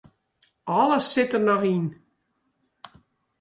Alles sit der noch yn.